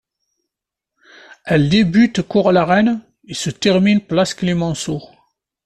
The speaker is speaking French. Elle débute cours la Reine et se termine place Clemenceau.